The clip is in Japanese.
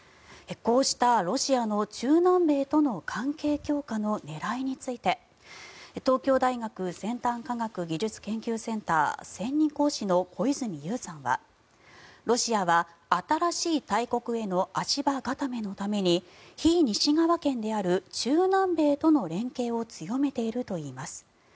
こうしたロシアの中南米との関係強化の狙いについて東京大学先端科学技術研究センター専任講師の小泉悠さんはロシアは新しい大国への足場固めのために非西側圏である中南米との連携を強めているといいます。